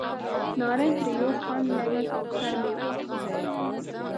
نارنج تریو خوند لري او سړه مېوه ده.